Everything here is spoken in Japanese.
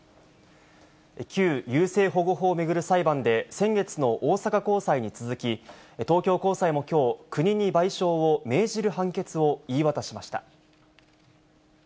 旧優生保護法を巡る裁判で、先月の大阪高裁に続き、東京高裁もきょう、国に賠償を命じる判決を言い渡しました。